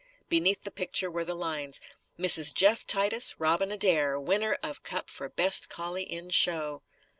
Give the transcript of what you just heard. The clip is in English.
Beneath the picture were the lines: "_Mrs. Jeff Titus' Robin Adair; Winner of cup for Best Collie in Show.